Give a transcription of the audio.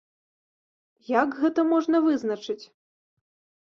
Як гэта можна вызначыць?